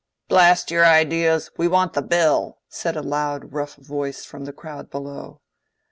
"Blast your ideas! we want the Bill," said a loud rough voice from the crowd below.